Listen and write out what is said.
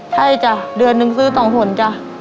ใช่จ้ะเดือนนึงซื้อสองส่วนจ้ะ